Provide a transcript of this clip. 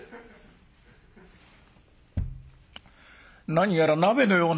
「何やら鍋のような」。